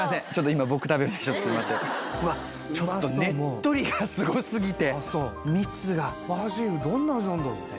今うわっちょっとねっとりがすごすぎて蜜がバジルどんな味なんだろう？